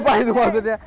apa itu maksudnya